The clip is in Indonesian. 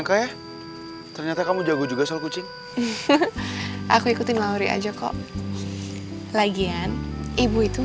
kenapa kamu jadi berubah kayak begini sih